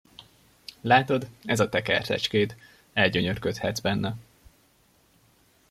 Látod, ez a te kertecskéd, elgyönyörködhetsz benne.